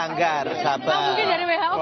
banggar ya pak ya